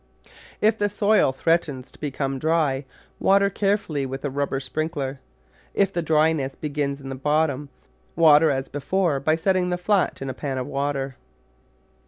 If the soil threatens to become dry, water carefully with a rub ber sprinkler. If the dryness begins in the bottom, water as before by setting the flat in a pan of water.